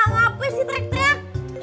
ngapain sih teriak teriak